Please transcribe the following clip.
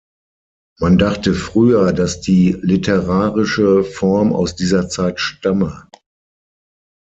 Man dachte früher, dass die literarische Form aus dieser Zeit stamme.